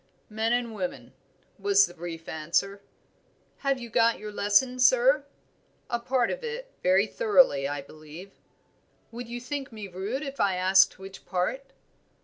"Men and women," was the brief answer. "Have you got your lesson, sir?" "A part of it very thoroughly, I believe." "Would you think me rude if I asked which part?"